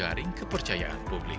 dan penjaring kepercayaan publik